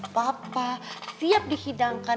papa siap dihidangkan